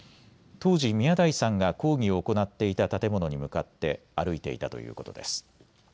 当時宮台さんが講義を行っていた建物に向かって歩いていたということです。